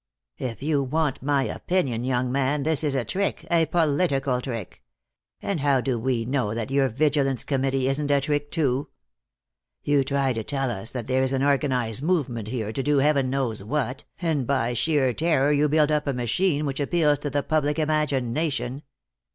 "If you want my opinion, young man, this is a trick, a political trick. And how do we know that your Vigilance Committee isn't a trick, too? You try to tell us that there is an organized movement here to do heaven knows what, and by sheer terror you build up a machine which appeals to the public imagination.